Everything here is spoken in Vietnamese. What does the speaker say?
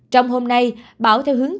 trong hôm nay bão theo hướng